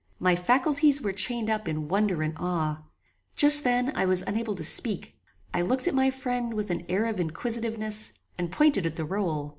My faculties were chained up in wonder and awe. Just then, I was unable to speak. I looked at my friend with an air of inquisitiveness, and pointed at the roll.